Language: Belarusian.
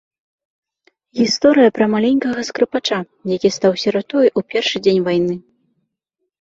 Гісторыя пра маленькага скрыпача, які стаў сіратой у першы дзень вайны.